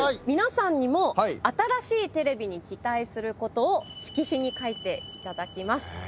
皆さんにもあたらしいテレビに期待することを色紙に書いて頂きます。